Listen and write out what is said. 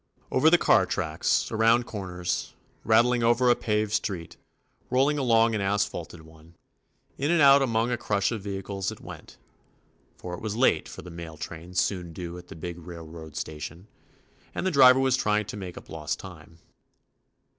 Over the car tracks, around corners, rattling over a paved street, rolling along an asphalted 73 THE ADVENTURES OF one, in and out among a crush of vehi cles it went, for it was late for the mail train soon due at the big railroad station, and the driver was trying to make up lost time.